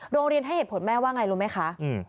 โรงเรียนให้เหตุผลแม่ว่าไงรู้ไหมคะ